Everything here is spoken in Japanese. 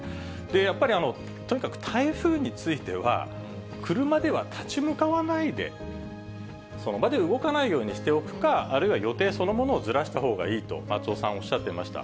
やっぱりとにかく台風については、車では立ち向かわないで、その場で動かないようにしておくか、あるいは予定そのものをずらしたほうがいいと、松尾さんおっしゃってました。